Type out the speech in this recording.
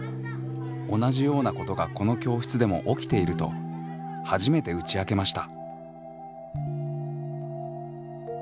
同じようなことがこの教室でも起きていると初めて打ち明けました。